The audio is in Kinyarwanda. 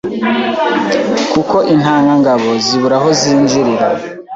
kuko intangagabo zibura aho zinjirira